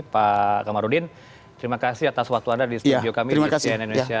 pak kamarudin terima kasih atas waktu anda di studio kami di cnn indonesia